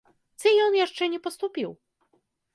Ці ён яшчэ не паступіў?